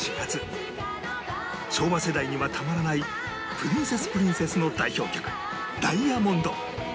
昭和世代にはたまらないプリンセスプリンセスの代表曲『Ｄｉａｍｏｎｄｓ』